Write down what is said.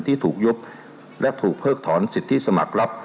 ที่ถูกยุบและถูกเพิกถอนสิทธิสมัครรับ